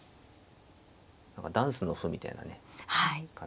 何かダンスの歩みたいなね感じで。